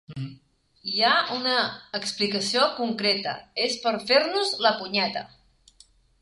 Hi ha una explicació concreta: és per fer-nos la punyeta!